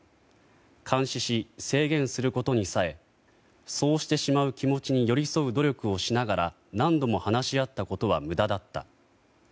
監視し、制限することにさえそうしてしまう気持ちに寄り添う努力をしながら何度も話し合ったことは無駄だった。